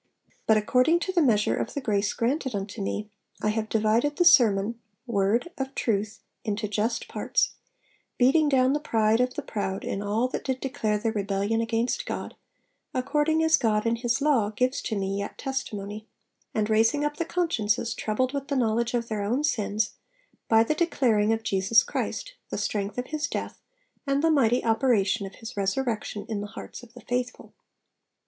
But according to the measure of the grace granted unto me, I have divided the sermon [word] of truth into just parts: beating down the pride of the proud in all that did declare their rebellion against God, according as God in His law gives to me yet testimony; and raising up the consciences troubled with the knowledge of their own sins, by the declaring of Jesus Christ, the strength of His death, and the mighty operation of His resurrection in the hearts of the faithful.'